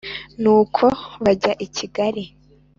nuko bajya i kigali.